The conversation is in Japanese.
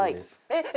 えっ！